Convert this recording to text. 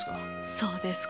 そうですか。